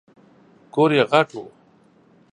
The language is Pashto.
کور یې غټ و .